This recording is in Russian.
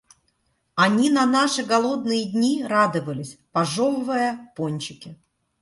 Они на наши голодные дни радовались, пожевывая пончики.